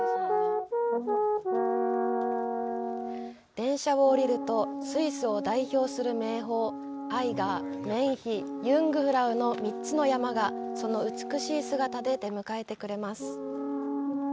電車を降りると、スイスを代表する名峰アイガー、メンヒ、ユングフラウの３つの山がその美しい姿で出迎えてくれます。